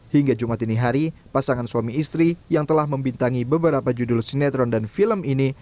hingga jumat ini hari pasangan suami istri yang telah membintangi beberapa judul sinetron dan film ini